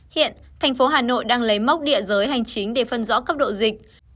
hiện tp hà nội đang lấy móc địa giới hành chính để phân rõ cấp độ dịch